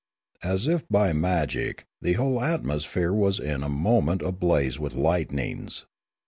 As if by magic the whole atmosphere was in a moment 1 84 Limanora ablaze with lightnings.